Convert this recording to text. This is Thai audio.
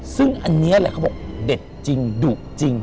ซึ่งอันนี้แหละเขาบอกเด็ดจริงดุจริง